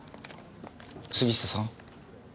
杉下さん？